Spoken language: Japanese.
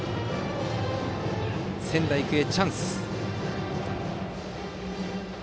仙台育英のチャンス。